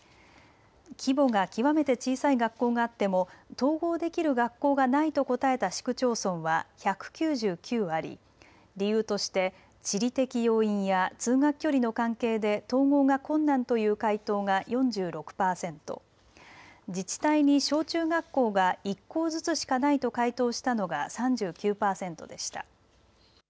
規模が極めて小さい学校があっても統合できる学校がないと答えた市区町村は１９９あり理由として地理的要因や通学距離の関係で統合が困難という回答が４６％、自治体に小中学校が１校ずつしかないと回答したのが３９％でした。